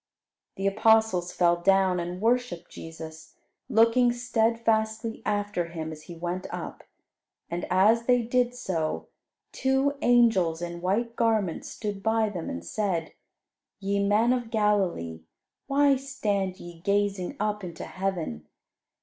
The apostles fell down and worshipped Jesus, looking steadfastly after Him as He went up; and as they did so, two angels in white garments stood by them, and said, "Ye men of Galilee, why stand ye gazing up into heaven?